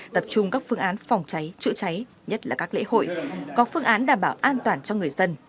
tập trung các phương án phòng cháy chữa cháy nhất là các lễ hội có phương án đảm bảo an toàn cho người dân